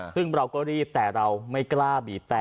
ซึ่งเราก็รีบแต่เราไม่กล้าบีบแต่